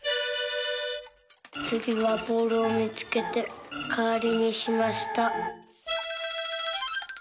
「つぎはボールをみつけてかわりにしました」。